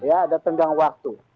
ada tenggang waktu